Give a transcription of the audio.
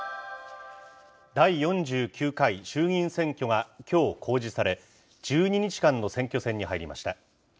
第４９回衆議院選挙がきょう公示され、１２日間の選挙戦に入りました。